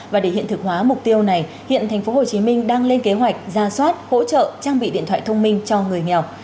và để hiện thực hóa mục tiêu này hiện thành phố hồ chí minh đang lên kế hoạch ra soát hỗ trợ trang bị điện thoại thông minh cho người nghèo